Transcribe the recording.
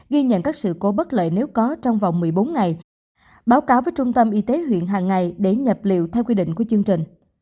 ghi nhận các sự cố bất lợi nếu có trong vòng một mươi bốn ngày báo cáo với trung tâm y tế huyện hàng ngày để nhập liệu theo quy định của chương trình